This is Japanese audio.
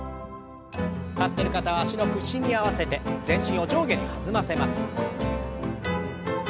立ってる方は脚の屈伸に合わせて全身を上下に弾ませます。